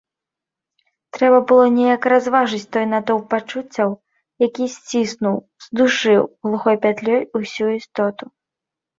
Трэба было неяк разважыць той натоўп пачуццяў, які сціснуў, здушыў глухой пятлёй усю істоту.